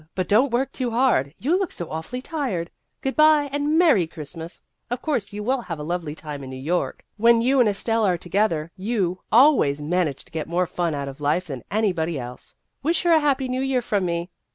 But don't work too hard ; you look so awfully tired. Good bye, and a merry Christmas ! Of course, you will have a lovely time in New York. When you and Estelle are together, you always manage to get more fun out of life than anybody else. Wish her a happy New Year from me.